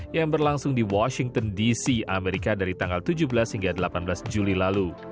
yang berlangsung di washington dc amerika dari tanggal tujuh belas hingga delapan belas juli lalu